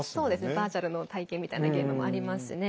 バーチャルの体験みたいなゲームもありますね。